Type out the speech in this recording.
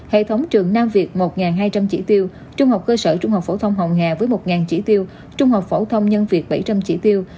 hệ thống trường nam việt một hai trăm linh chỉ tiêu trung học cơ sở trung học phổ thông hồng hà với một chỉ tiêu trung học phổ thông nhân việt bảy trăm linh chỉ tiêu